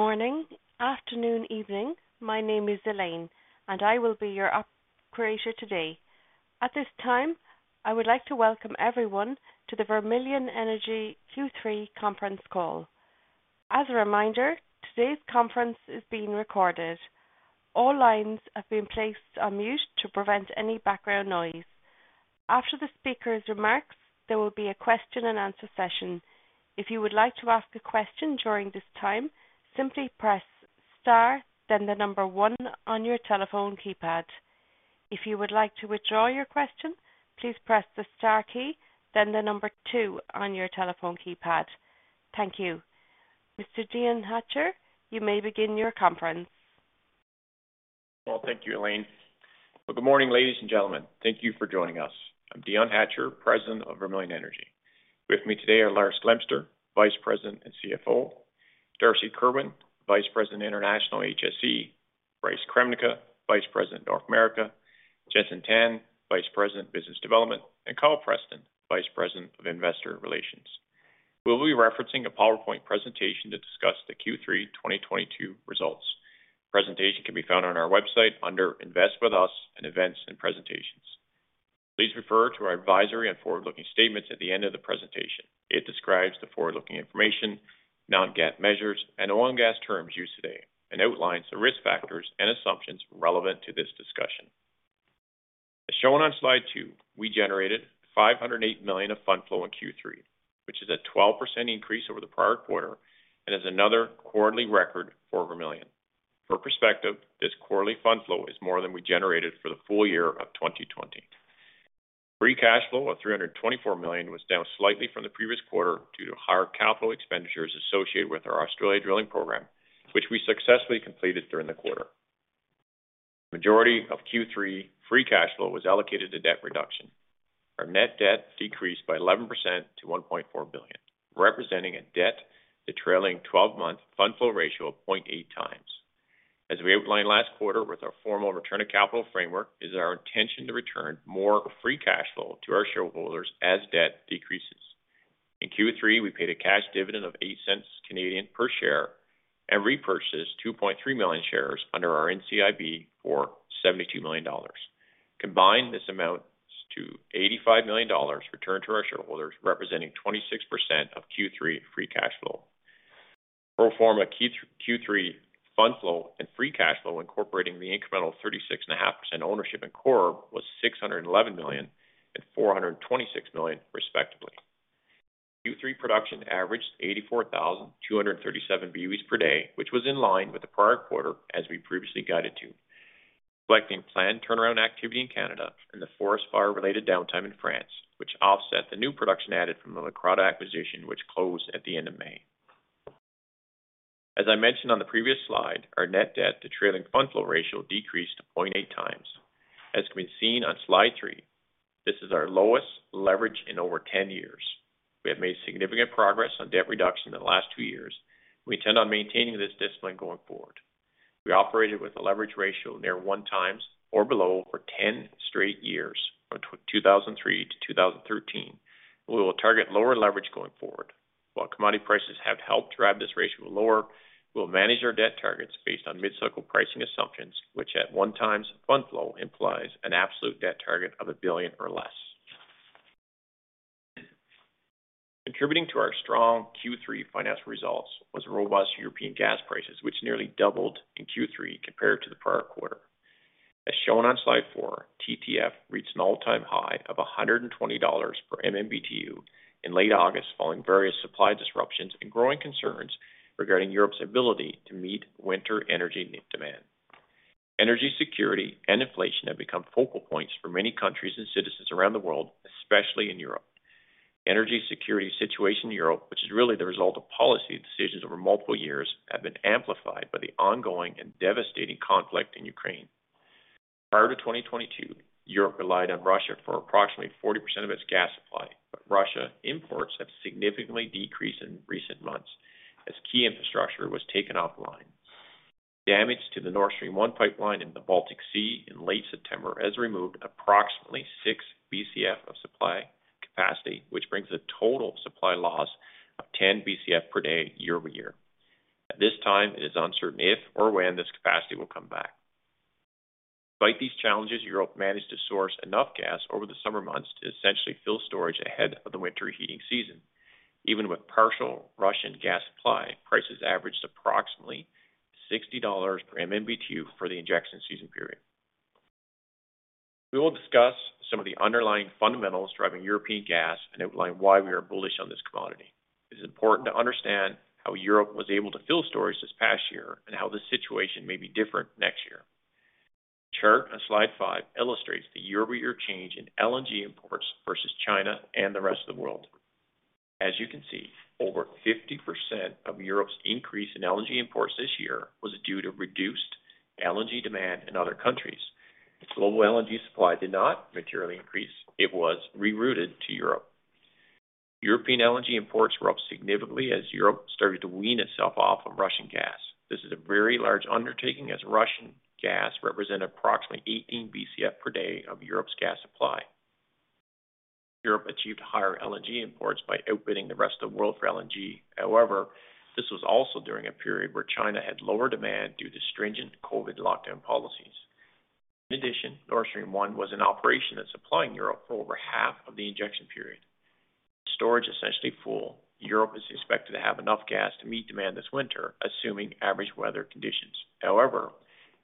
Good morning, afternoon, evening. My name is Elaine, and I will be your operator today. At this time, I would like to welcome everyone to the Vermilion Energy Q3 conference call. As a reminder, today's conference is being recorded. All lines have been placed on mute to prevent any background noise. After the speaker's remarks, there will be a question and answer session. If you would like to ask a question during this time, simply press star then the number 1 on your telephone keypad. If you would like to withdraw your question, please press the star key, then the number 2 on your telephone keypad. Thank you. Mr. Dion Hatcher, you may begin your conference. Well, thank you, Elaine. Well, good morning, ladies and gentlemen. Thank you for joining us. I'm Dion Hatcher, President of Vermilion Energy. With me today are Lars Glemser, Vice President and CFO, Darcy Kerwin, Vice President International HSE, Bryce Kremnica, Vice President North America, Jenson Tan, Vice President Business Development, and Kyle Preston, Vice President of Investor Relations. We will be referencing a PowerPoint presentation to discuss the Q3 2022 results. Presentation can be found on our website under Invest with Us in Events and Presentations. Please refer to our advisory on forward-looking statements at the end of the presentation. It describes the forward-looking information, non-GAAP measures, and oil and gas terms used today and outlines the risk factors and assumptions relevant to this discussion. As shown on slide 2, we generated 508 million of fund flow in Q3, which is a 12% increase over the prior quarter and is another quarterly record for Vermilion. For perspective, this quarterly fund flow is more than we generated for the full year of 2020. Free cash flow of 324 million was down slightly from the previous quarter due to higher capital expenditures associated with our Australia drilling program, which we successfully completed during the quarter. Majority of Q3 free cash flow was allocated to debt reduction. Our net debt decreased by 11% to 1.4 billion, representing a debt to trailing twelve-month fund flow ratio of 0.8x. As we outlined last quarter with our formal return of capital framework, it is our intention to return more free cash flow to our shareholders as debt decreases. In Q3, we paid a cash dividend of 0.08 per share and repurchased 2.3 million shares under our NCIB for 72 million dollars. Combined, this amounts to 85 million dollars returned to our shareholders, representing 26% of Q3 free cash flow. Pro forma Q3 fund flow and free cash flow incorporating the incremental 36.5% ownership in Corrib was 611 million and 426 million, respectively. Q3 production averaged 84,237 BOE per day, which was in line with the prior quarter as we previously guided to, reflecting planned turnaround activity in Canada and the forest fire-related downtime in France, which offset the new production added from the Leucrotta acquisition, which closed at the end of May. As I mentioned on the previous slide, our net debt to trailing fund flow ratio decreased to 0.8x. As can be seen on slide 3, this is our lowest leverage in over 10 years. We have made significant progress on debt reduction in the last two years. We intend on maintaining this discipline going forward. We operated with a leverage ratio near 1x or below for 10 straight years from 2003 to 2013. We will target lower leverage going forward. While commodity prices have helped drive this ratio lower, we'll manage our debt targets based on mid-cycle pricing assumptions, which at 1x fund flow implies an absolute debt target of 1 billion or less. Contributing to our strong Q3 financial results was robust European gas prices, which nearly doubled in Q3 compared to the prior quarter. As shown on slide 4, TTF reached an all-time high of $120 per MMBTU in late August following various supply disruptions and growing concerns regarding Europe's ability to meet winter energy need demand. Energy security and inflation have become focal points for many countries and citizens around the world, especially in Europe. Energy security situation in Europe, which is really the result of policy decisions over multiple years, have been amplified by the ongoing and devastating conflict in Ukraine. Prior to 2022, Europe relied on Russia for approximately 40% of its gas supply, but Russia imports have significantly decreased in recent months as key infrastructure was taken offline. Damage to the Nord Stream 1 pipeline in the Baltic Sea in late September has removed approximately 6 BCF of supply capacity, which brings the total supply loss of 10 BCF per day year-over-year. At this time, it is uncertain if or when this capacity will come back. Despite these challenges, Europe managed to source enough gas over the summer months to essentially fill storage ahead of the winter heating season. Even with partial Russian gas supply, prices averaged approximately $60 per MMBTU for the injection season period. We will discuss some of the underlying fundamentals driving European gas and outline why we are bullish on this commodity. It is important to understand how Europe was able to fill storage this past year and how the situation may be different next year. The chart on slide five illustrates the year-over-year change in LNG imports versus China and the rest of the world. As you can see, over 50% of Europe's increase in LNG imports this year was due to reduced LNG demand in other countries. As global LNG supply did not materially increase, it was rerouted to Europe. European LNG imports were up significantly as Europe started to wean itself off of Russian gas. This is a very large undertaking as Russian gas represented approximately 18 BCF per day of Europe's gas supply. Europe achieved higher LNG imports by outbidding the rest of the world for LNG. However, this was also during a period where China had lower demand due to stringent COVID lockdown policies. In addition, Nord Stream 1 was in operation and supplying Europe for over half of the injection period. Storage essentially full. Europe is expected to have enough gas to meet demand this winter, assuming average weather conditions. However,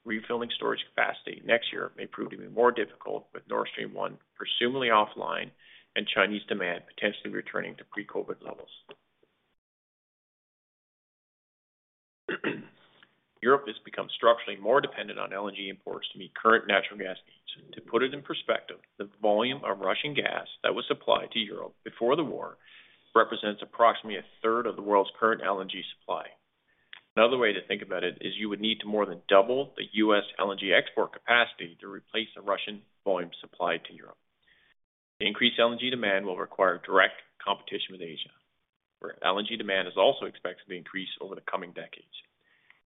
refilling storage capacity next year may prove to be more difficult, with Nord Stream 1 presumably offline and Chinese demand potentially returning to pre-COVID levels. Europe has become structurally more dependent on LNG imports to meet current natural gas needs. To put it in perspective, the volume of Russian gas that was supplied to Europe before the war represents approximately a third of the world's current LNG supply. Another way to think about it is you would need to more than double the US LNG export capacity to replace the Russian volume supplied to Europe. Increased LNG demand will require direct competition with Asia, where LNG demand is also expected to increase over the coming decades.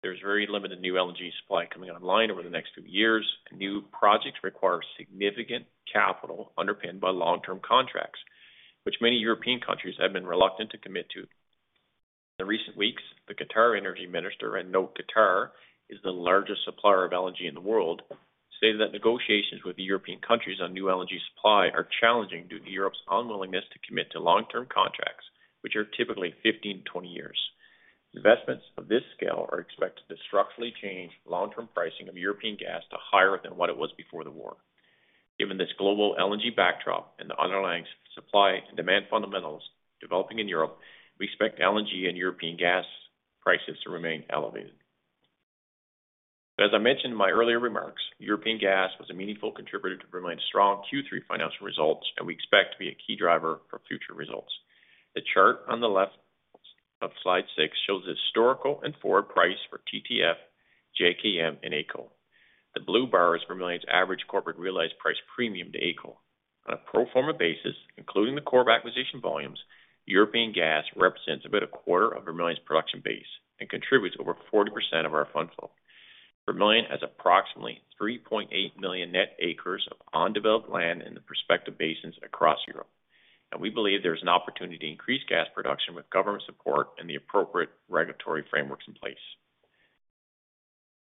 There's very limited new LNG supply coming online over the next few years. New projects require significant capital underpinned by long-term contracts, which many European countries have been reluctant to commit to. In recent weeks, the QatarEnergy Minister, and note Qatar is the largest supplier of LNG in the world, stated that negotiations with the European countries on new LNG supply are challenging due to Europe's unwillingness to commit to long-term contracts, which are typically 15-20 years. Investments of this scale are expected to structurally change long-term pricing of European gas to higher than what it was before the war. Given this global LNG backdrop and the underlying supply and demand fundamentals developing in Europe, we expect LNG and European gas prices to remain elevated. As I mentioned in my earlier remarks, European gas was a meaningful contributor to Vermilion's strong Q3 financial results, and we expect to be a key driver for future results. The chart on the left of Slide 6 shows the historical and forward price for TTF, JKM, and AECO. The blue bar is Vermilion's average corporate realized price premium to AECO. On a pro forma basis, including the Corrib acquisition volumes, European gas represents about a quarter of Vermilion's production base and contributes over 40% of our fund flow. Vermilion has approximately 3.8 million net acres of undeveloped land in the prospective basins across Europe, and we believe there's an opportunity to increase gas production with government support and the appropriate regulatory frameworks in place.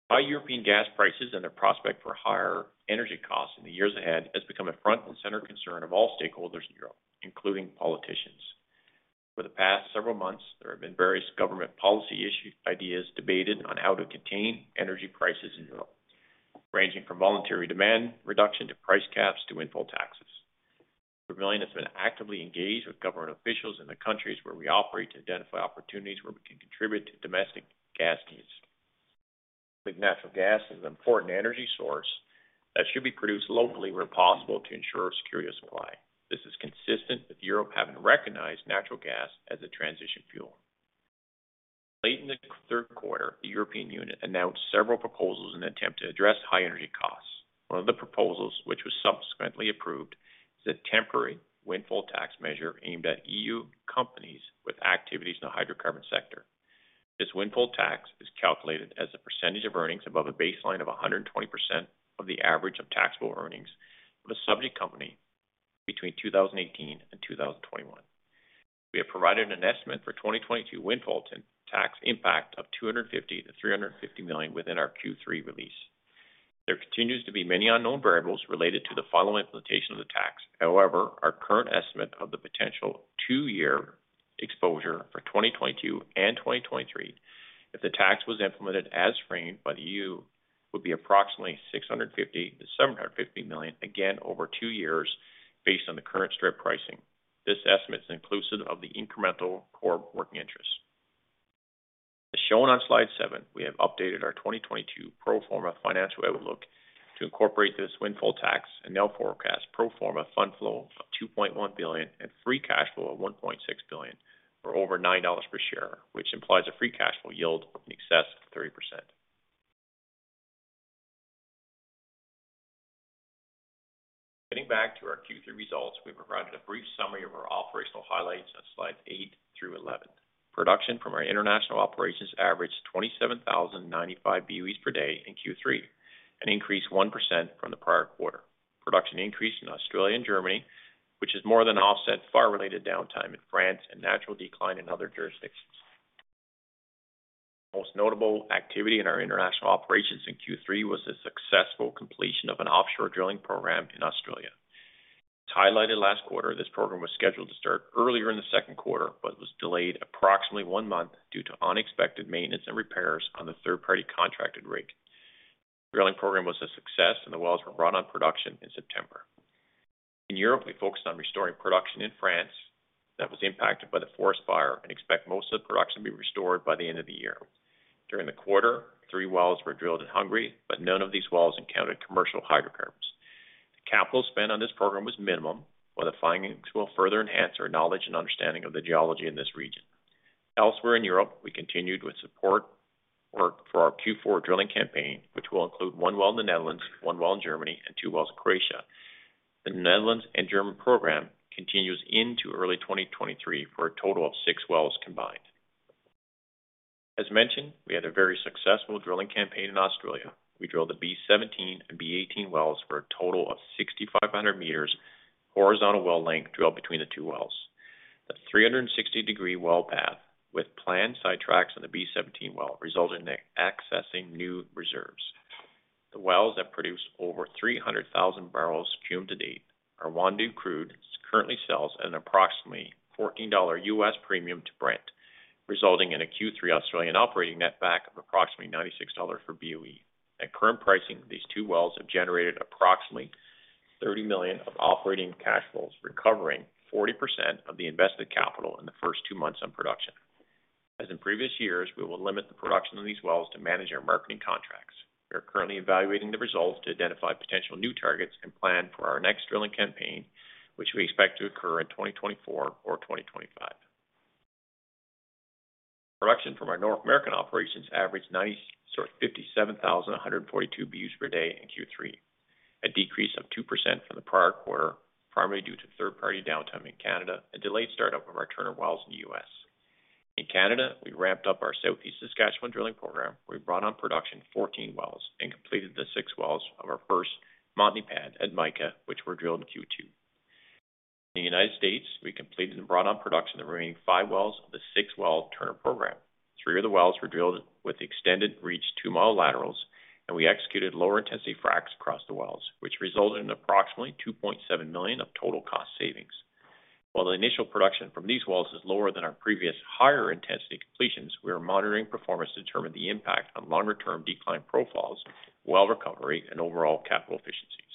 High European gas prices and their prospect for higher energy costs in the years ahead has become a front and center concern of all stakeholders in Europe, including politicians. For the past several months, there have been various government policy ideas debated on how to contain energy prices in Europe, ranging from voluntary demand reduction to price caps to windfall taxes. Vermilion has been actively engaged with government officials in the countries where we operate to identify opportunities where we can contribute to domestic gas needs, with natural gas as an important energy source that should be produced locally where possible to ensure a secure supply. This is consistent with Europe having recognized natural gas as a transition fuel. Late in the third quarter, the European Union announced several proposals in an attempt to address high energy costs. One of the proposals, which was subsequently approved, is a temporary windfall tax measure aimed at EU companies with activities in the hydrocarbon sector. This windfall tax is calculated as a percentage of earnings above a baseline of 120% of the average of taxable earnings for the subject company between 2018 and 2021. We have provided an estimate for 2022 windfall tax impact of 250 million-350 million within our Q3 release. There continues to be many unknown variables related to the final implementation of the tax. However, our current estimate of the potential two-year exposure for 2022 and 2023 if the tax was implemented as framed by the EU, would be approximately 650 million-750 million, again over two years based on the current strip pricing. This estimate is inclusive of the incremental Corrib working interest. As shown on Slide 7, we have updated our 2022 pro forma financial outlook to incorporate this windfall tax and now forecast pro forma fund flow of 2.1 billion and free cash flow of 1.6 billion, or over $9 per share, which implies a free cash flow yield in excess of 30%. Getting back to our Q3 results, we've provided a brief summary of our operational highlights on Slides 8 through 11. Production from our international operations averaged 27,095 BOE per day in Q3 and increased 1% from the prior quarter. Production increased in Australia and Germany, which has more than offset fire-related downtime in France and natural decline in other jurisdictions. Most notable activity in our international operations in Q3 was the successful completion of an offshore drilling program in Australia. As highlighted last quarter, this program was scheduled to start earlier in the second quarter, but was delayed approximately one month due to unexpected maintenance and repairs on the third-party contracted rig. The drilling program was a success and the wells were run on production in September. In Europe, we focused on restoring production in France that was impacted by the forest fire and expect most of the production to be restored by the end of the year. During the quarter, three wells were drilled in Hungary, but none of these wells encountered commercial hydrocarbons. The capital spend on this program was minimal, while the findings will further enhance our knowledge and understanding of the geology in this region. Elsewhere in Europe, we continued with support work for our Q4 drilling campaign, which will include one well in the Netherlands, one well in Germany, and two wells in Croatia. The Netherlands and Germany program continues into early 2023 for a total of 6 wells combined. As mentioned, we had a very successful drilling campaign in Australia. We drilled the B-17 and B-18 wells for a total of 6,500 meters horizontal well length drilled between the two wells. The 360-degree well path with planned sidetracks on the B-17 well resulted in accessing new reserves. The wells have produced over 300,000 barrels cum to date. Our Wandoo crude currently sells at an approximately $14 US premium to Brent, resulting in a Q3 Australian operating netback of approximately $96 per BOE. At current pricing, these two wells have generated approximately 30 million of operating cash flows, recovering 40% of the invested capital in the first 2 months on production. As in previous years, we will limit the production of these wells to manage our marketing contracts. We are currently evaluating the results to identify potential new targets and plan for our next drilling campaign, which we expect to occur in 2024 or 2025. Production from our North American operations averaged 57,142 BOE per day in Q3, a decrease of 2% from the prior quarter, primarily due to third-party downtime in Canada and delayed start-up of our Turner wells in the U.S. In Canada, we ramped up our Southeast Saskatchewan drilling program. We brought on production 14 wells and completed the 6 wells of our first Montney pad at Mica, which were drilled in Q2. In the United States, we completed and brought on production the remaining 5 wells of the 6-well Turner program. Three of the wells were drilled with extended reach two-mile laterals, and we executed lower intensity fracs across the wells, which resulted in approximately 2.7 million of total cost savings. While the initial production from these wells is lower than our previous higher intensity completions, we are monitoring performance to determine the impact on longer-term decline profiles, well recovery, and overall capital efficiencies.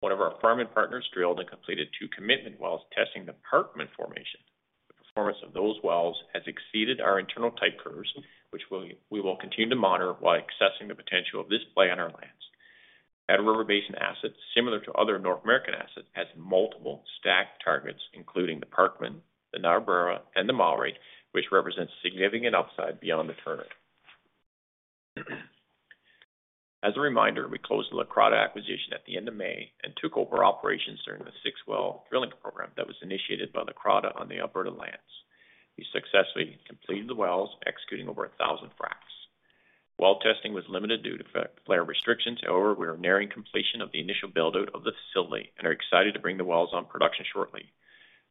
One of our farm-in partners drilled and completed two commitment wells testing the Parkman formation. The performance of those wells has exceeded our internal type curves, which we will continue to monitor while assessing the potential of this play on our lands. Powder River Basin assets, similar to other North American assets, has multiple stacked targets, including the Parkman, the Niobrara, and the Mowry, which represents significant upside beyond the Turner. As a reminder, we closed the Leucrotta acquisition at the end of May and took over operations during the 6-well drilling program that was initiated by Leucrotta on the Alberta lands. We successfully completed the wells, executing over 1,000 fracs. Well testing was limited due to flare restrictions, however, we are nearing completion of the initial build-out of the facility and are excited to bring the wells on production shortly.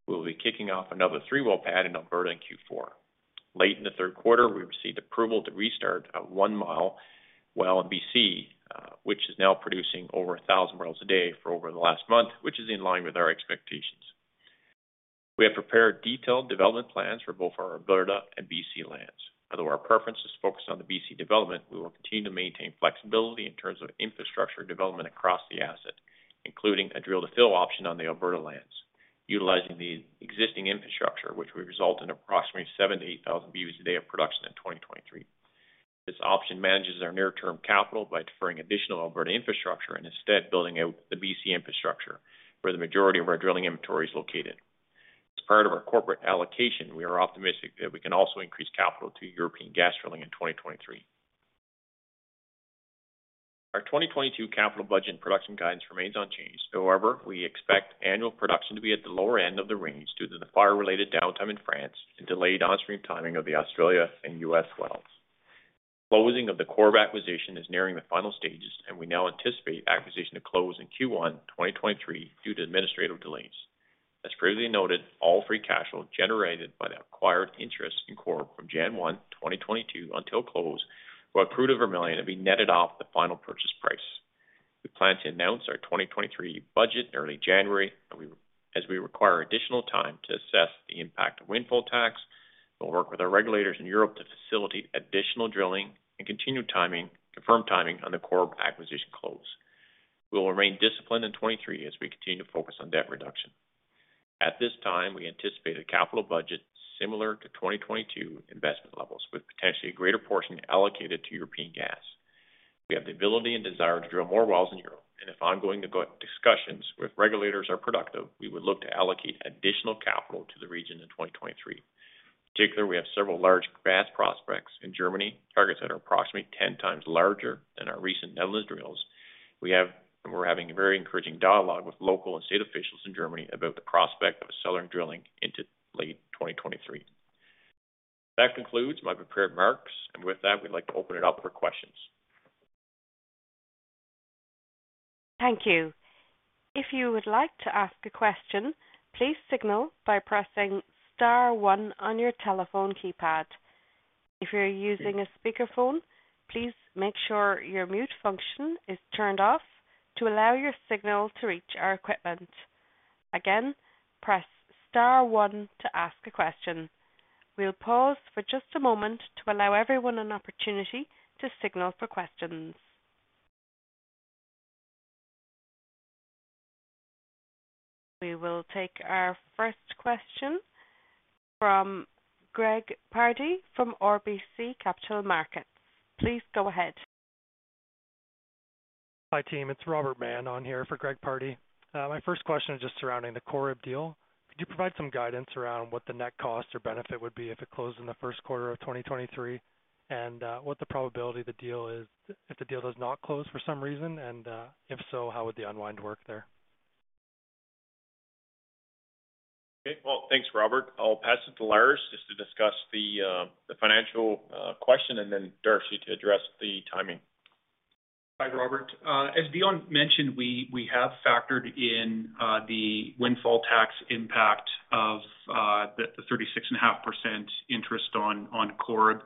We will be kicking off another 3-well pad in Alberta in Q4. Late in the third quarter, we received approval to restart a 1-mile well in BC, which is now producing over 1,000 barrels a day for over the last month, which is in line with our expectations. We have prepared detailed development plans for both our Alberta and BC lands. Although our preference is focused on the BC development, we will continue to maintain flexibility in terms of infrastructure development across the asset, including a drill to fill option on the Alberta lands, utilizing the existing infrastructure, which will result in approximately 7,000-8,000 BOEs a day of production in 2023. This option manages our near-term capital by deferring additional Alberta infrastructure and instead building out the BC infrastructure, where the majority of our drilling inventory is located. As part of our corporate allocation, we are optimistic that we can also increase capital to European gas drilling in 2023. Our 2022 capital budget production guidance remains unchanged. However, we expect annual production to be at the lower end of the range due to the fire-related downtime in France and delayed on-stream timing of the Australia and U.S. wells. Closing of the Corrib acquisition is nearing the final stages, and we now anticipate acquisition to close in Q1 2023 due to administrative delays. As previously noted, all free cash flow generated by the acquired interest in Corrib from January 1, 2022 until close will accrue to Vermilion and be netted off the final purchase price. We plan to announce our 2023 budget in early January, as we require additional time to assess the impact of windfall tax. We'll work with our regulators in Europe to facilitate additional drilling and confirm timing on the Corrib acquisition close. We will remain disciplined in 2023 as we continue to focus on debt reduction. At this time, we anticipate a capital budget similar to 2022 investment levels, with potentially a greater portion allocated to European gas. We have the ability and desire to drill more wells in Europe, and if ongoing discussions with regulators are productive, we would look to allocate additional capital to the region in 2023. In particular, we have several large gas prospects in Germany, targets that are approximately 10 times larger than our recent Netherlands drills. We're having a very encouraging dialogue with local and state officials in Germany about the prospect of accelerating drilling into late 2023. That concludes my prepared remarks, and with that, we'd like to open it up for questions. Thank you. If you would like to ask a question, please signal by pressing star one on your telephone keypad. If you're using a speakerphone, please make sure your mute function is turned off to allow your signal to reach our equipment. Again, press star one to ask a question. We'll pause for just a moment to allow everyone an opportunity to signal for questions. We will take our first question from Greg Pardy from RBC Capital Markets. Please go ahead. Hi, team. It's Robert Mann on here for Greg Pardy. My first question is just surrounding the Corrib deal. Could you provide some guidance around what the net cost or benefit would be if it closed in the first quarter of 2023? What the probability of the deal is, if the deal does not close for some reason, and, if so, how would the unwind work there? Okay. Well, thanks, Robert. I'll pass it to Lars just to discuss the financial question and then Darcy to address the timing. Hi, Robert. As Dion mentioned, we have factored in the windfall tax impact of the 36.5% interest on Corrib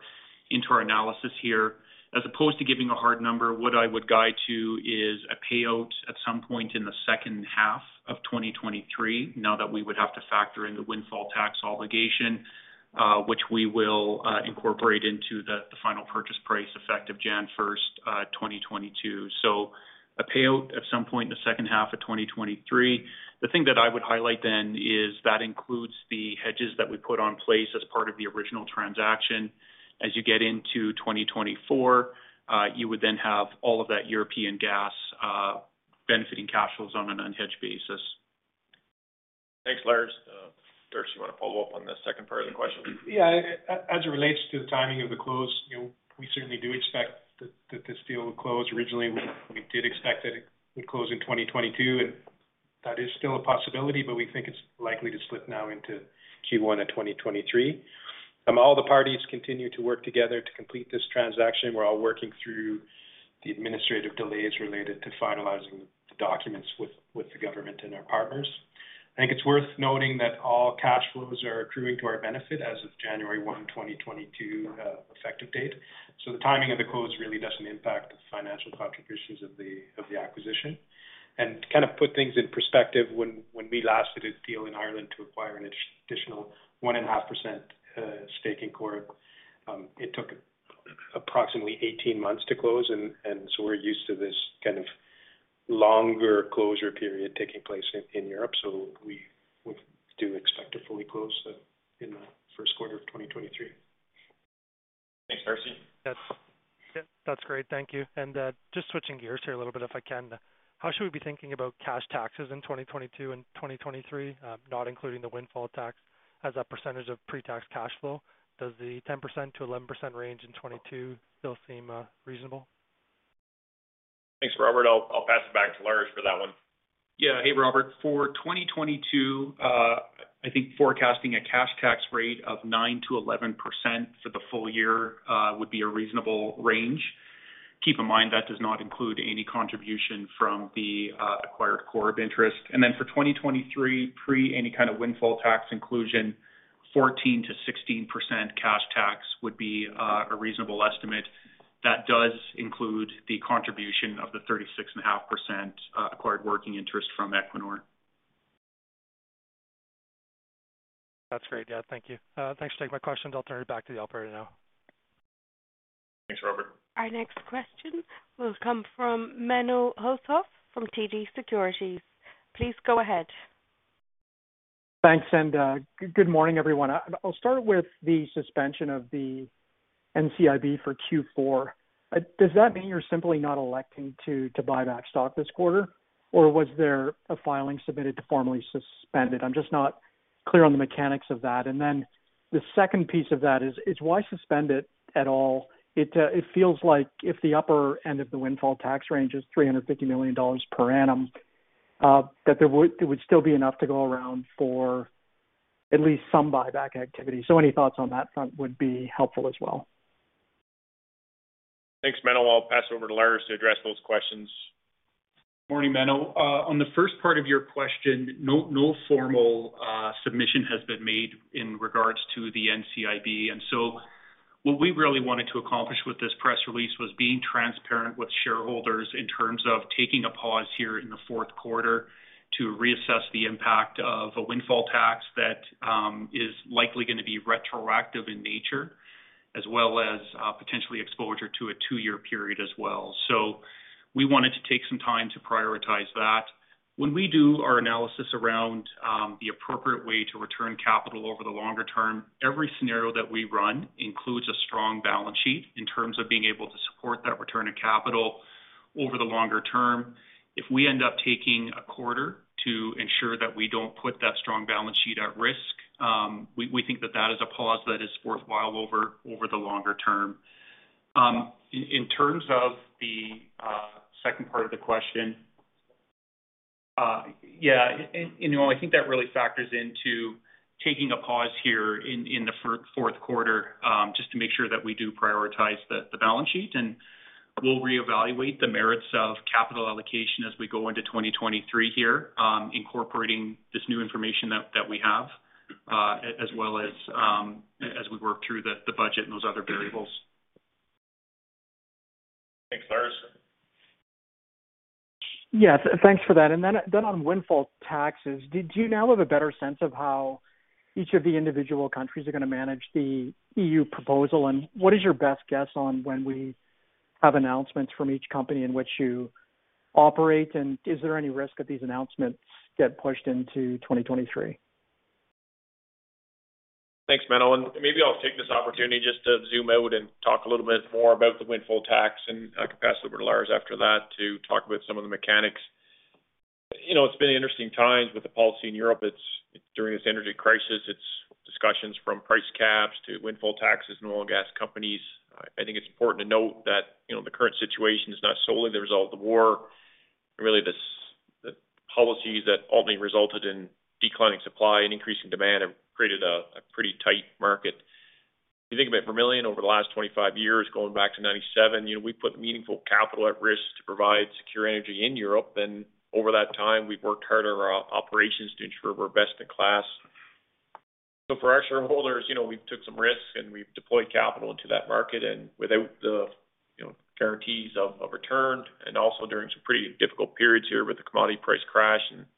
into our analysis here. As opposed to giving a hard number, what I would guide to is a payout at some point in the second half of 2023. Note that we would have to factor in the windfall tax obligation, which we will incorporate into the final purchase price effective January 1, 2022. A payout at some point in the second half of 2023. The thing that I would highlight then is that includes the hedges that we put in place as part of the original transaction. As you get into 2024, you would then have all of that European gas benefiting cash flows on an unhedged basis. Thanks, Lars. Darcy, you wanna follow up on the second part of the question? Yeah. As it relates to the timing of the close, you know, we certainly do expect that this deal will close. Originally, we did expect that it would close in 2022, and that is still a possibility, but we think it's likely to slip now into Q1 in 2023. All the parties continue to work together to complete this transaction. We're all working through the administrative delays related to finalizing the documents with the government and our partners. I think it's worth noting that all cash flows are accruing to our benefit as of January 1, 2022, effective date. The timing of the close really doesn't impact the financial contributions of the acquisition. To kind of put things in perspective, when we last did a deal in Ireland to acquire an additional 1.5% stake in Corrib, it took approximately 18 months to close. We're used to this kind of longer closure period taking place in Europe. We do expect to fully close in the first quarter of 2023. Thanks, Darcy. That's, yeah, that's great. Thank you. Just switching gears here a little bit, if I can. How should we be thinking about cash taxes in 2022 and 2023, not including the windfall tax as a percentage of pre-tax cash flow? Does the 10%-11% range in 2022 still seem reasonable? Thanks, Robert. I'll pass it back to Lars for that one. Yeah. Hey, Robert. For 2022, I think forecasting a cash tax rate of 9%-11% for the full year would be a reasonable range. Keep in mind, that does not include any contribution from the acquired Corrib interest. For 2023, pre any kind of windfall tax inclusion, 14%-16% cash tax would be a reasonable estimate. That does include the contribution of the 36.5%, acquired working interest from Equinor. That's great. Yeah, thank you. Thanks for taking my questions. I'll turn it back to the operator now. Thanks, Robert. Our next question will come from Menno Hulshof from TD Securities. Please go ahead. Thanks, good morning, everyone. I'll start with the suspension of the NCIB for Q4. Does that mean you're simply not electing to buy back stock this quarter? Or was there a filing submitted to formally suspend it? I'm just not clear on the mechanics of that. Then the second piece of that is why suspend it at all? It feels like if the upper end of the windfall tax range is 350 million dollars per annum, that there would still be enough to go around for at least some buyback activity. Any thoughts on that front would be helpful as well. Thanks, Menno. I'll pass over to Lars to address those questions. Morning, Menno. On the first part of your question, no formal submission has been made in regards to the NCIB. What we really wanted to accomplish with this press release was being transparent with shareholders in terms of taking a pause here in the fourth quarter to reassess the impact of a windfall tax that is likely gonna be retroactive in nature, as well as potentially exposure to a two-year period as well. We wanted to take some time to prioritize that. When we do our analysis around the appropriate way to return capital over the longer term, every scenario that we run includes a strong balance sheet in terms of being able to support that return of capital over the longer term. If we end up taking a quarter to ensure that we don't put that strong balance sheet at risk, we think that is a pause that is worthwhile over the longer term. In terms of the second part of the question, you know, I think that really factors into taking a pause here in the fourth quarter, just to make sure that we do prioritize the balance sheet. We'll reevaluate the merits of capital allocation as we go into 2023, incorporating this new information that we have, as well as we work through the budget and those other variables. Thanks, Lars. Yeah, thanks for that. Then on windfall taxes, do you now have a better sense of how each of the individual countries are gonna manage the EU proposal? What is your best guess on when we have announcements from each country in which you operate? Is there any risk that these announcements get pushed into 2023? Thanks, Menno. Maybe I'll take this opportunity just to zoom out and talk a little bit more about the windfall tax, and I can pass it over to Lars after that to talk about some of the mechanics. You know, it's been interesting times with the policy in Europe. During this energy crisis, it's discussions from price caps to windfall taxes in oil and gas companies. I think it's important to note that, you know, the current situation is not solely the result of the war. The policies that ultimately resulted in declining supply and increasing demand have created a pretty tight market. You think about Vermilion over the last 25 years, going back to 1997, you know, we put meaningful capital at risk to provide secure energy in Europe. Over that time, we've worked hard on our operations to ensure we're best in class. For our shareholders, you know, we took some risks and we've deployed capital into that market. Without the, you know, guarantees of return and also during some pretty difficult periods here with the commodity price crash in between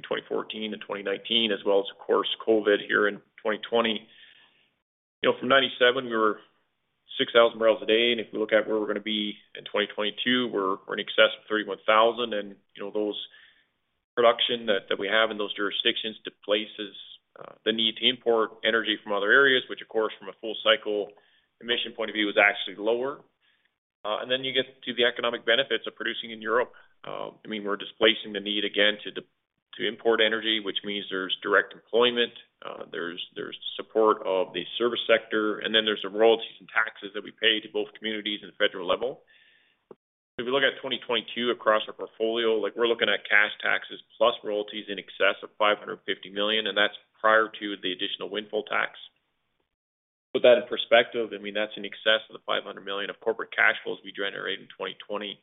2014 and 2019 as well as of course, COVID here in 2020. You know, from 1997 we were 6,000 barrels a day, and if we look at where we're gonna be in 2022, we're in excess of 31,000. You know, those production that we have in those jurisdictions displaces the need to import energy from other areas, which of course from a full cycle emission point of view is actually lower. Then you get to the economic benefits of producing in Europe. I mean, we're displacing the need again to import energy, which means there's direct employment, there's support of the service sector, and then there's the royalties and taxes that we pay to both communities and federal level. If we look at 2022 across our portfolio, like we're looking at cash taxes plus royalties in excess of 550 million, and that's prior to the additional windfall tax. To put that in perspective, I mean, that's in excess of the 500 million of corporate cash flows we generate in 2020.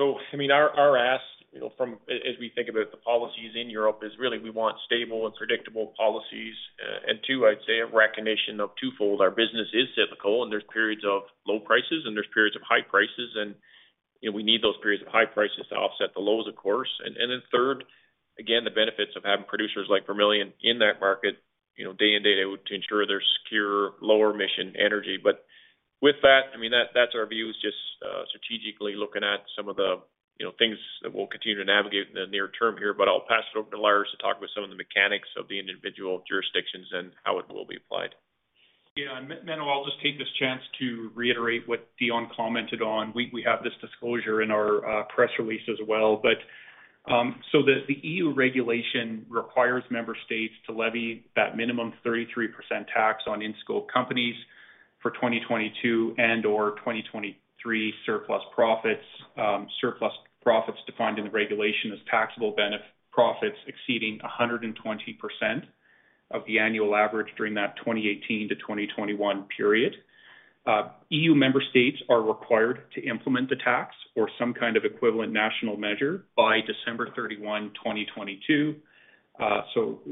I mean, our ask, you know, as we think about the policies in Europe, is really we want stable and predictable policies. And two, I'd say a recognition of twofold. Our business is cyclical and there's periods of low prices and there's periods of high prices and, you know, we need those periods of high prices to offset the lows of course. Then third, again, the benefits of having producers like Vermilion in that market, you know, day in, day out, to ensure there's secure lower emission energy. With that, I mean, that's our view is just strategically looking at some of the, you know, things that we'll continue to navigate in the near term here. I'll pass it over to Lars to talk about some of the mechanics of the individual jurisdictions and how it will be applied. Yeah, Menno, I'll just take this chance to reiterate what Dion commented on. We have this disclosure in our press release as well. The EU regulation requires member states to levy that minimum 33% tax on in-scope companies for 2022 and/or 2023 surplus profits. Surplus profits defined in the regulation as taxable profits exceeding 120% of the annual average during that 2018 to 2021 period. EU member states are required to implement the tax or some kind of equivalent national measure by December 31, 2022.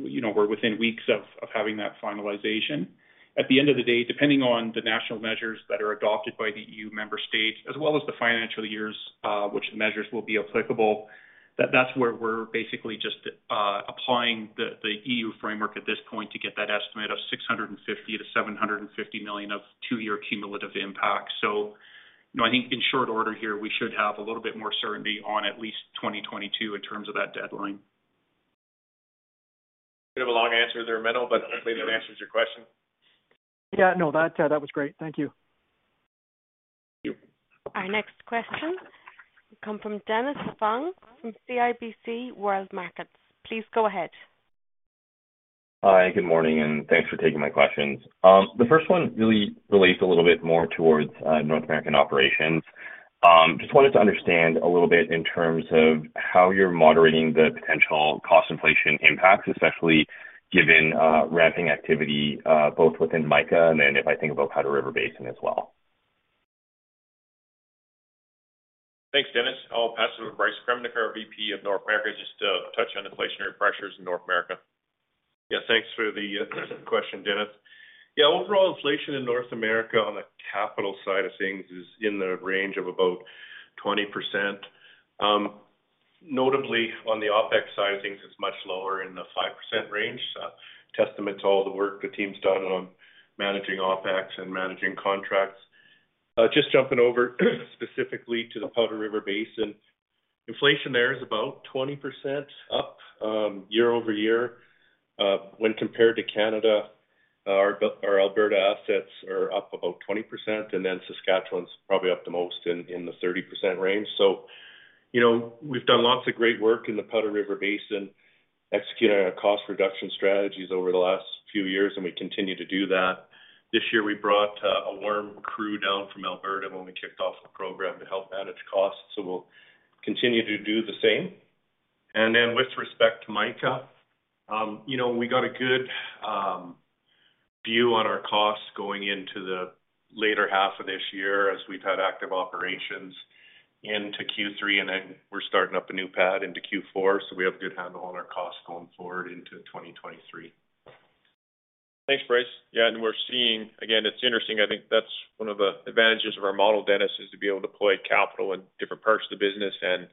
You know, we're within weeks of having that finalization. At the end of the day, depending on the national measures that are adopted by the EU member states as well as the financial years, which the measures will be applicable, that's where we're basically just applying the EU framework at this point to get that estimate of 650 million-750 million of two-year cumulative impact. You know, I think in short order here, we should have a little bit more certainty on at least 2022 in terms of that deadline. bit of a long answer there, Menno, but hopefully that answers your question. Yeah. No, that was great. Thank you. Thank you. Our next question will come from Dennis Fung from CIBC World Markets. Please go ahead. Hi, good morning, and thanks for taking my questions. The first one really relates a little bit more towards North American operations. Just wanted to understand a little bit in terms of how you're moderating the potential cost inflation impacts, especially given ramping activity both within Mica and then if I think about Powder River Basin as well. Thanks, Dennis. I'll pass it over to Bryce Kremnica, our VP of North America, just to touch on inflationary pressures in North America. Yeah, thanks for the question, Dennis. Yeah, overall inflation in North America on the capital side of things is in the range of about 20%. Notably on the OpEx side of things, it's much lower in the 5% range. Testament to all the work the team's done on managing OpEx and managing contracts. Just jumping over specifically to the Powder River Basin. Inflation there is about 20% up year over year. When compared to Canada, our Alberta assets are up about 20%, and then Saskatchewan's probably up the most in the 30% range. You know, we've done lots of great work in the Powder River Basin, executing our cost reduction strategies over the last few years, and we continue to do that. This year we brought a warm crew down from Alberta when we kicked off the program to help manage costs, so we'll continue to do the same. With respect to Mowry, you know, we got a good view on our costs going into the later half of this year as we've had active operations into Q3, and then we're starting up a new pad into Q4. We have a good handle on our costs going forward into 2023. Thanks, Bryce. Yeah, we're seeing. Again, it's interesting. I think that's one of the advantages of our model, Dennis, is to be able to deploy capital in different parts of the business and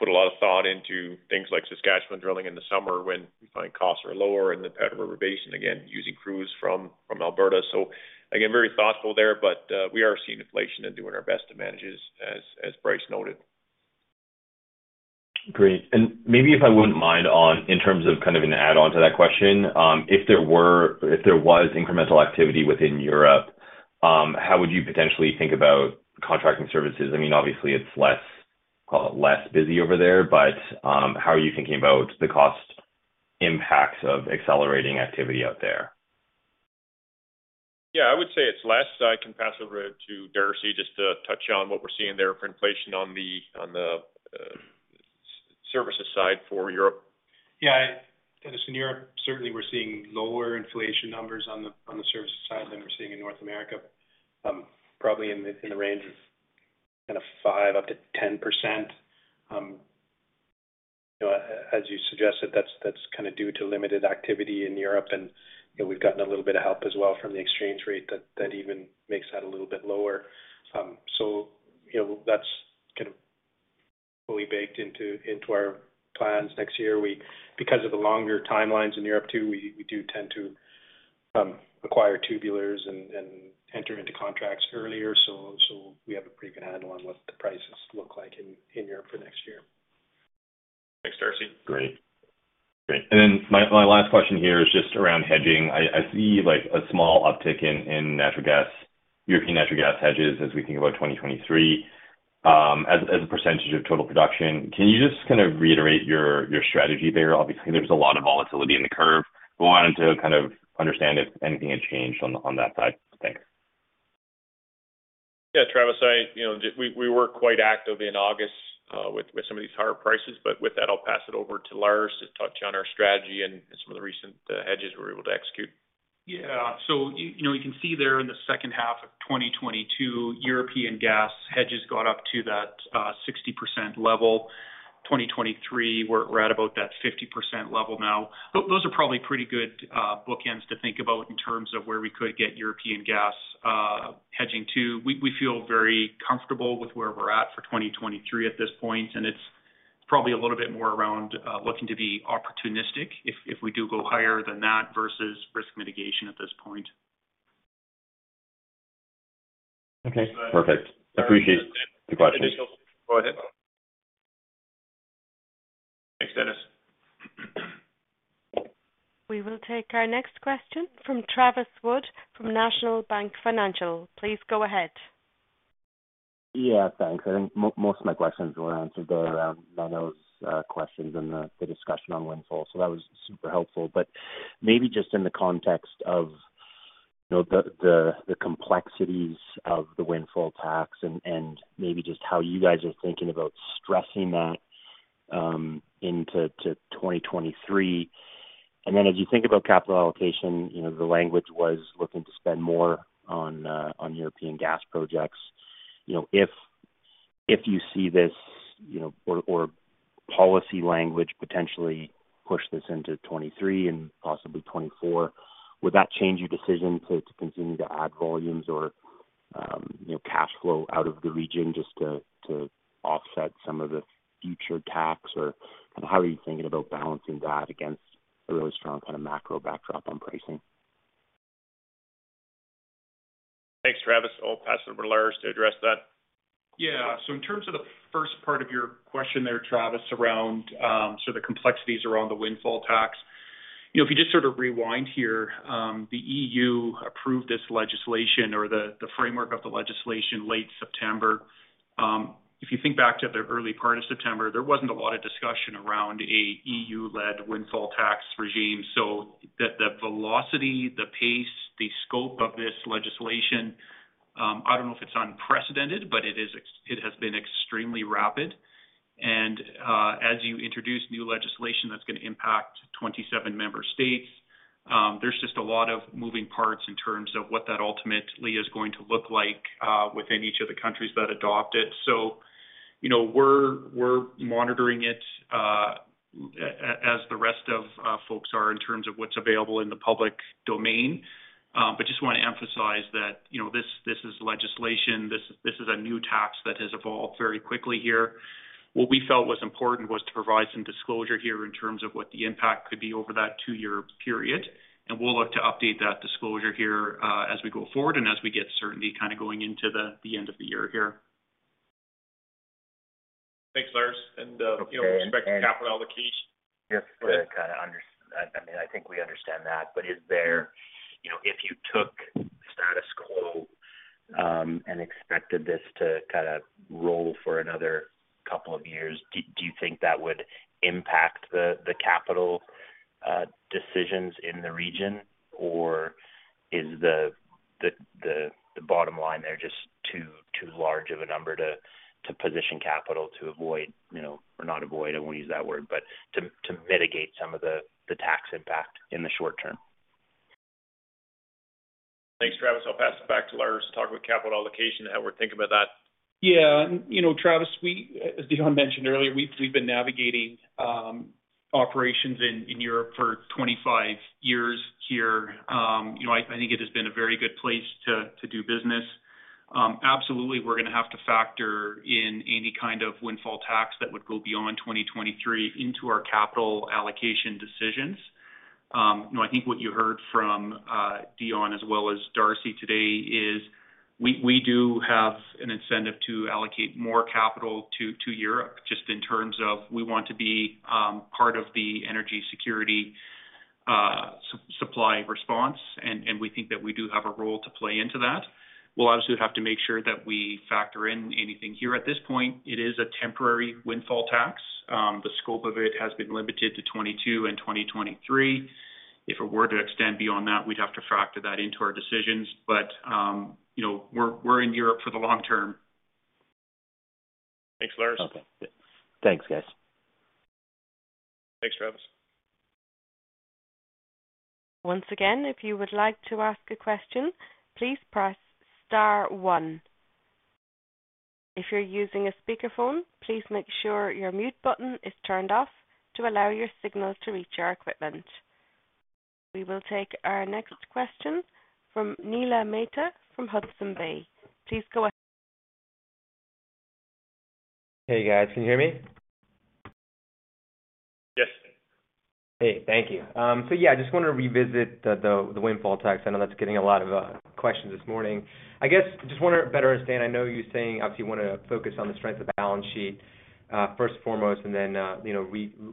put a lot of thought into things like Saskatchewan drilling in the summer when we find costs are lower in the Powder River Basin, again, using crews from Alberta. Again, very thoughtful there, but we are seeing inflation and doing our best to manage it as Bryce noted. Great. Maybe in terms of kind of an add-on to that question, if there was incremental activity within Europe, how would you potentially think about contracting services? I mean, obviously it's less. Call it less busy over there, but how are you thinking about the cost impacts of accelerating activity out there? Yeah, I would say it's less. I can pass over to Darcy just to touch on what we're seeing there for inflation on the services side for Europe. Yeah. Dennis, in Europe, certainly we're seeing lower inflation numbers on the services side than we're seeing in North America. Probably in the range of kind of 5%-10%. You know, as you suggested, that's kinda due to limited activity in Europe and, you know, we've gotten a little bit of help as well from the exchange rate that even makes that a little bit lower. So, you know, that's kind of fully baked into our plans next year. Because of the longer timelines in Europe too, we do tend to acquire tubulars and enter into contracts earlier. So we have a pretty good handle on what the prices look like in Europe for next year. Thanks, Darcy. Great. My last question here is just around hedging. I see, like, a small uptick in natural gas European natural gas hedges as we think about 2023, as a percentage of total production. Can you just kind of reiterate your strategy there? Obviously, there's a lot of volatility in the curve. Wanted to kind of understand if anything had changed on that side. Thanks. Yeah, Travis, you know, we were quite active in August with some of these higher prices. With that, I'll pass it over to Lars to talk to you on our strategy and some of the recent hedges we were able to execute. Yeah. You know, you can see there in the second half of 2022, European gas hedges got up to that 60% level. 2023, we're at about that 50% level now. Those are probably pretty good bookends to think about in terms of where we could get European gas hedging to. We feel very comfortable with where we're at for 2023 at this point, and it's probably a little bit more around looking to be opportunistic if we do go higher than that versus risk mitigation at this point. Okay, perfect. Appreciate the questions. Go ahead. Thanks, Dennis. We will take our next question from Travis Wood from National Bank Financial. Please go ahead. Yeah, thanks. I think most of my questions were answered around Menno's questions in the discussion on windfall, so that was super helpful. Maybe just in the context of, you know, the complexities of the windfall tax and maybe just how you guys are thinking about stressing that into 2023. Then as you think about capital allocation, you know, the language was looking to spend more on European gas projects. You know, if you see this, you know, or policy language potentially push this into 2023 and possibly 2024, would that change your decision to continue to add volumes or, you know, cash flow out of the region just to offset some of the future tax? Kind of how are you thinking about balancing that against a really strong kind of macro backdrop on pricing? Thanks, Travis. I'll pass it over to Lars to address that. Yeah. In terms of the first part of your question there, Travis, around sort of the complexities around the windfall tax. You know, if you just sort of rewind here, the EU approved this legislation or the framework of the legislation late September. If you think back to the early part of September, there wasn't a lot of discussion around an EU-led windfall tax regime. The velocity, the pace, the scope of this legislation, I don't know if it's unprecedented, but it has been extremely rapid. As you introduce new legislation that's gonna impact 27 member states, there's just a lot of moving parts in terms of what that ultimately is going to look like within each of the countries that adopt it. You know, we're monitoring it as the rest of folks are in terms of what's available in the public domain. Just wanna emphasize that, you know, this is legislation, this is a new tax that has evolved very quickly here. What we felt was important was to provide some disclosure here in terms of what the impact could be over that two-year period. We'll look to update that disclosure here as we go forward and as we get certainty kind of going into the end of the year here. Thanks, Lars. You know, with respect to capital allocation. Yeah. I mean, I think we understand that. Is there, you know, if you took status quo and expected this to kind of roll for another couple of years, do you think that would impact the capital decisions in the region? Or is the bottom line there just too large of a number to position capital to avoid, you know, or not avoid, I won't use that word, but to mitigate some of the tax impact in the short term? Thanks, Travis. I'll pass it back to Lars to talk about capital allocation and how we're thinking about that. Yeah. You know, Travis, we, as Dion mentioned earlier, we've been navigating operations in Europe for 25 years here. You know, I think it has been a very good place to do business. Absolutely, we're gonna have to factor in any kind of windfall tax that would go beyond 2023 into our capital allocation decisions. You know, I think what you heard from Dion as well as Darcy today is we do have an incentive to allocate more capital to Europe, just in terms of we want to be part of the energy security supply response, and we think that we do have a role to play into that. We'll obviously have to make sure that we factor in anything here. At this point, it is a temporary windfall tax. The scope of it has been limited to 2022 and 2023. If it were to extend beyond that, we'd have to factor that into our decisions. You know, we're in Europe for the long term. Thanks, Lars. Okay. Thanks, guys. Thanks, Travis. Once again, if you would like to ask a question, please press star one. If you're using a speakerphone, please make sure your mute button is turned off to allow your signals to reach our equipment. We will take our next question from Neela Mehta from Hudson Bay. Please go ahead. Hey, guys, can you hear me? Yes. Hey, thank you. Yeah, I just want to revisit the windfall tax. I know that's getting a lot of questions this morning. I guess, just wanna better understand, I know you're saying obviously you wanna focus on the strength of the balance sheet first and foremost, and then, you know,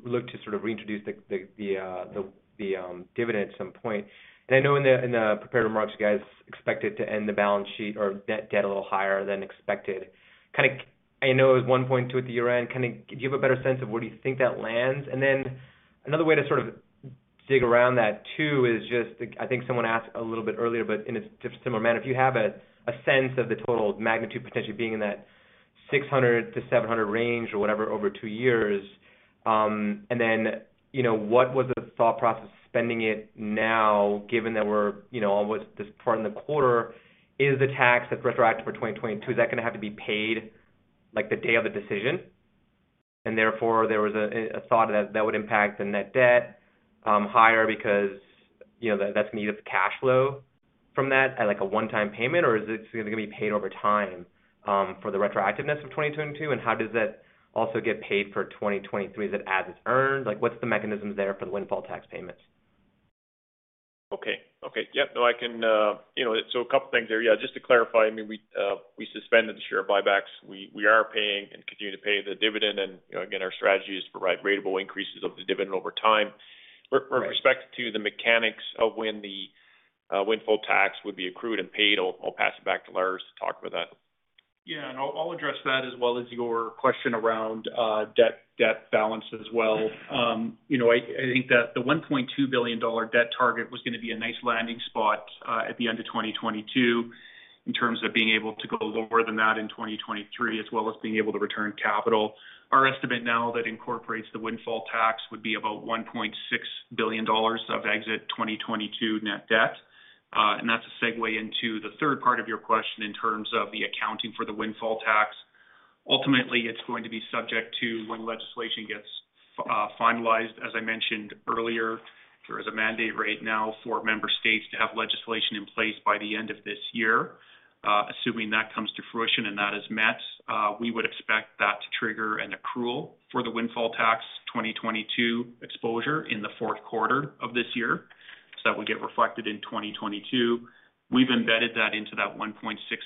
look to sort of reintroduce the dividend at some point. I know in the prepared remarks, you guys expected to end the balance sheet or debt a little higher than expected. Kinda, I know it was 1.2 at the year-end. Can you give a better sense of where do you think that lands? Another way to sort of dig around that too is just, I think someone asked a little bit earlier, but in a similar manner, if you have a sense of the total magnitude potentially being in that 600-700 range or whatever over two years, and then, you know, what was the thought process of spending it now, given that we're, you know, almost this part in the quarter, is the tax that's retroactive for 2022, is that gonna have to be paid like the day of the decision? And therefore, there was a thought that that would impact the net debt higher because, you know, that's needed the cash flow from that at like a one-time payment, or is it gonna be paid over time, for the retroactiveness of 2022? How does that also get paid for 2023? Is it as it's earned? Like, what's the mechanisms there for the windfall tax payments? Okay. Yeah, no, I can, you know, so a couple things there. Yeah, just to clarify, I mean, we suspended the share buybacks. We are paying and continue to pay the dividend. You know, again, our strategy is to provide ratable increases of the dividend over time. Right. With respect to the mechanics of when the windfall tax would be accrued and paid, I'll pass it back to Lars to talk about that. Yeah. I'll address that as well as your question around debt balance. You know, I think that the 1.2 billion dollar debt target was gonna be a nice landing spot at the end of 2022 in terms of being able to go lower than that in 2023, as well as being able to return capital. Our estimate now that incorporates the windfall tax would be about 1.6 billion dollars of exit 2022 net debt. That's a segue into the third part of your question in terms of the accounting for the windfall tax. Ultimately, it's going to be subject to when legislation gets finalized. As I mentioned earlier, there is a mandate right now for member states to have legislation in place by the end of this year. Assuming that comes to fruition and that is met, we would expect that to trigger an accrual for the windfall tax 2022 exposure in the fourth quarter of this year. That would get reflected in 2022. We've embedded that into that 1.6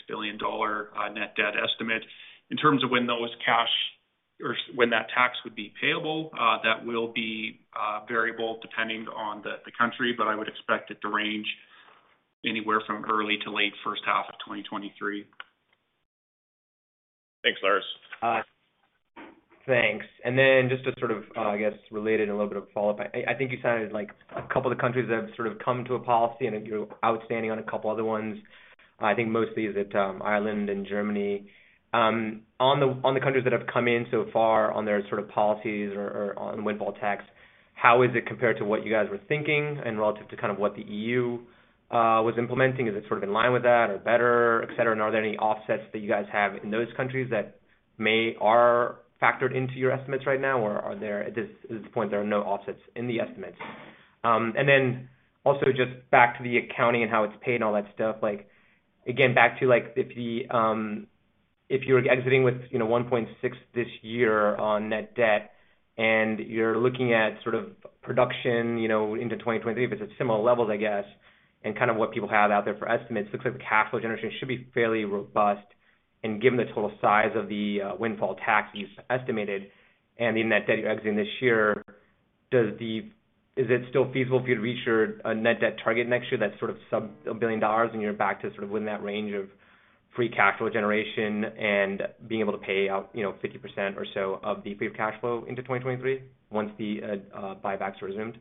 billion dollar net debt estimate. In terms of when that tax would be payable, that will be variable depending on the country, but I would expect it to range anywhere from early to late first half of 2023. Thanks, Lars. Thanks. Then just to sort of, I guess, related and a little bit of follow-up. I think you sounded like a couple of the countries have sort of come to a policy and you're outstanding on a couple other ones. I think mostly it's Ireland and Germany. On the countries that have come in so far on their sort of policies or on windfall tax, how is it compared to what you guys were thinking and relative to kind of what the EU was implementing? Is it sort of in line with that or better, et cetera? Are there any offsets that you guys have in those countries that may or are factored into your estimates right now? At this point, there are no offsets in the estimates? Also just back to the accounting and how it's paid and all that stuff. Like, again, back to, like, if you're exiting with, you know, 1.6 this year on net debt and you're looking at sort of production, you know, into 2023, if it's at similar levels, I guess, and kind of what people have out there for estimates, looks like the cash flow generation should be fairly robust. Given the total size of the windfall tax you've estimated and the net debt exiting this year, is it still feasible for you to reach your net debt target next year that's sort of sub 1 billion dollars and you're back to sort of within that range of free cash flow generation and being able to pay out, you know, 50% or so of the free cash flow into 2023 once the buybacks are resumed?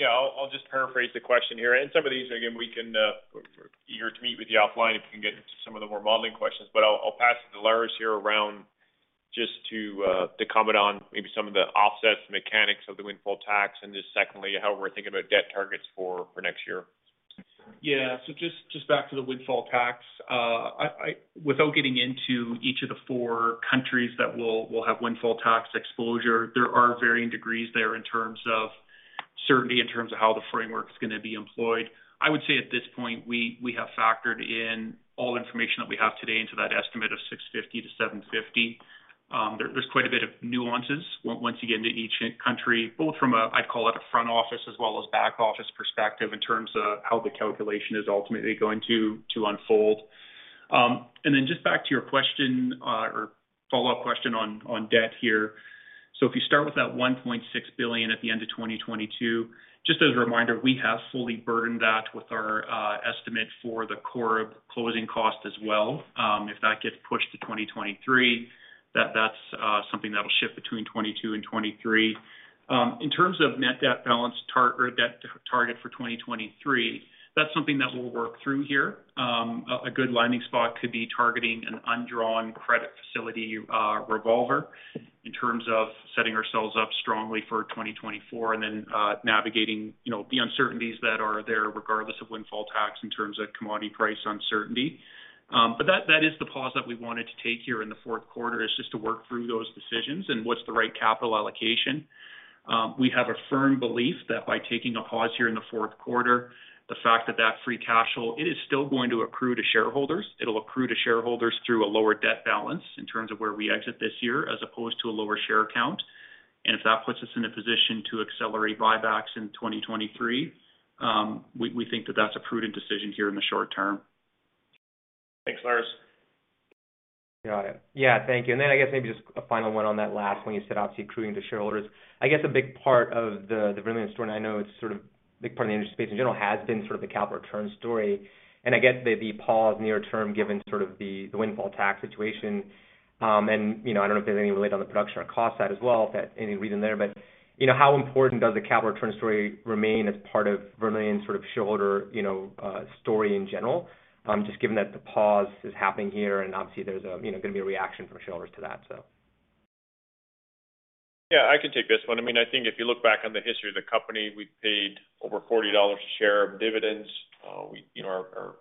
Yeah, I'll just paraphrase the question here. Some of these, again, we're eager to meet with you offline if we can get into some of the more modeling questions. I'll pass it to Lars here and just to comment on maybe some of the offsets, the mechanics of the windfall tax, and just secondly, how we're thinking about debt targets for next year. Yeah. Just back to the windfall tax. Without getting into each of the four countries that will have windfall tax exposure, there are varying degrees there in terms of certainty in terms of how the framework is gonna be employed. I would say at this point, we have factored in all information that we have today into that estimate of 650-750. There are quite a bit of nuances once you get into each country, both from a, I'd call it a front office as well as back office perspective in terms of how the calculation is ultimately going to unfold. Just back to your question, or follow-up question on debt here. If you start with that 1.6 billion at the end of 2022, just as a reminder, we have fully burdened that with our estimate for the Corrib closing cost as well. If that gets pushed to 2023, that's something that'll shift between 2022 and 2023. In terms of net debt balance target or debt target for 2023, that's something that we'll work through here. A good landing spot could be targeting an undrawn credit facility revolver in terms of setting ourselves up strongly for 2024 and then navigating, you know, the uncertainties that are there regardless of windfall tax in terms of commodity price uncertainty. That is the pause that we wanted to take here in the fourth quarter, just to work through those decisions and what's the right capital allocation. We have a firm belief that by taking a pause here in the fourth quarter, the fact that free cash flow is still going to accrue to shareholders. It will accrue to shareholders through a lower debt balance in terms of where we exit this year as opposed to a lower share count. If that puts us in a position to accelerate buybacks in 2023, we think that that's a prudent decision here in the short term. Thanks, Lars. Got it. Yeah, thank you. I guess maybe just a final one on that last one you said obviously accruing to shareholders. I guess a big part of the Vermilion story, and I know it's sort of big part of the industry space in general, has been sort of the capital return story. I guess the pause near term, given sort of the windfall tax situation, and, you know, I don't know if there's any related on the production or cost side as well, if any reason there. You know, how important does the capital return story remain as part of Vermilion's sort of shareholder, you know, story in general? Just given that the pause is happening here and obviously there's, you know, gonna be a reaction from shareholders to that so. Yeah, I can take this one. I mean, I think if you look back on the history of the company, we paid over 40 dollars a share of dividends. We, you know, our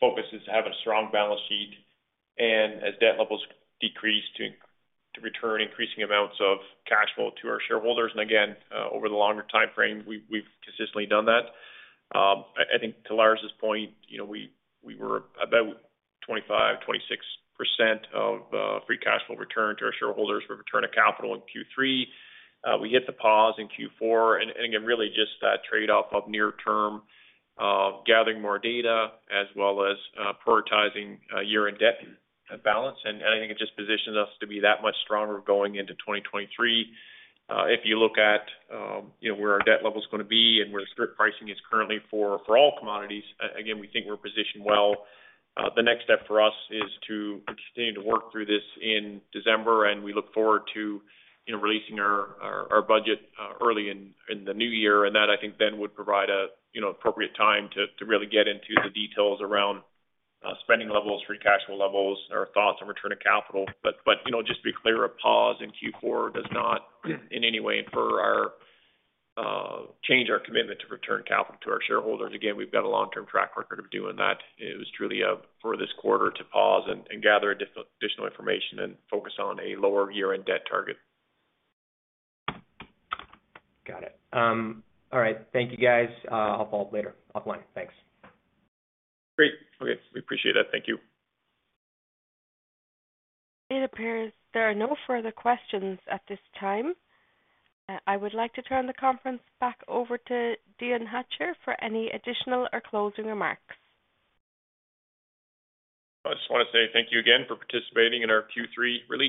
focus is to have a strong balance sheet and as debt levels decrease, to return increasing amounts of cash flow to our shareholders. Again, over the longer timeframe, we've consistently done that. I think to Lars' point, you know, we were about 25%-26% of free cash flow return to our shareholders for return of capital in Q3. We hit the pause in Q4. Again, really just that trade-off of near term gathering more data as well as prioritizing year-end debt balance. I think it just positions us to be that much stronger going into 2023. If you look at, you know, where our debt level is gonna be and where the strip pricing is currently for all commodities, again, we think we're positioned well. The next step for us is to continue to work through this in December, and we look forward to, you know, releasing our budget early in the new year. That I think then would provide a, you know, appropriate time to really get into the details around spending levels, free cash flow levels, our thoughts on return of capital. But you know, just to be clear, a pause in Q4 does not in any way infer or change our commitment to return capital to our shareholders. Again, we've got a long-term track record of doing that. It was truly for this quarter to pause and gather additional information and focus on a lower year-end debt target. Got it. All right. Thank you, guys. I'll follow up later offline. Thanks. Great. Okay, we appreciate it. Thank you. It appears there are no further questions at this time. I would like to turn the conference back over to Dion Hatcher for any additional or closing remarks. I just wanna say thank you again for participating in our Q3 release.